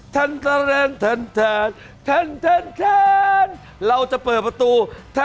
ตั้นเราจะเปิดประตู